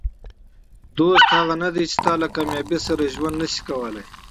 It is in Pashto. دوست هغه نه دئ، چي ستا له کامیابۍ سره ژوند نسي کولای.